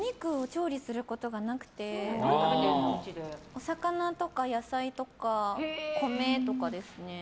お魚とか野菜とか米とかですね。